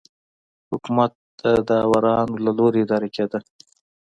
حکومت د داورانو له لوري اداره کېده.